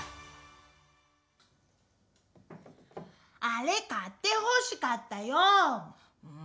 あれ買ってほしかったよう！